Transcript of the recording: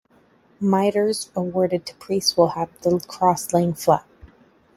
Mitres awarded to priests will have the cross lying flat.